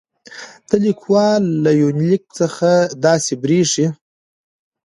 د ليکوال له يونليک څخه داسې برېښي